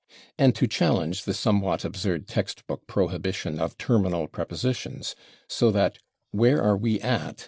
And to challenge the somewhat absurd text book prohibition of terminal prepositions, so that "where are we /at